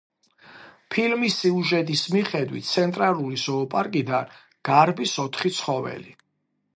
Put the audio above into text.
ფილმის სიუჟეტის მიხედვით, ცენტრალური ზოოპარკიდან გარბის ოთხი ცხოველი.